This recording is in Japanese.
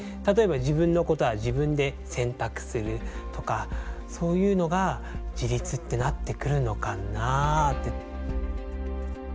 例えば自分のことは自分で選択するとかそういうのが自立ってなってくるのかなって。